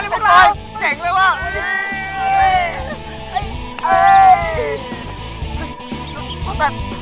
ปั๊ดปั๊ด